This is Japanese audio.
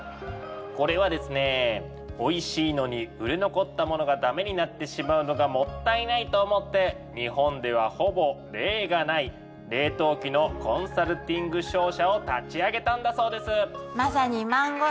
これはですねおいしいのに売れ残ったものがダメになってしまうのがもったいないと思って日本ではほぼ例がない「冷凍機のコンサルティング商社」を立ち上げたんだそうです。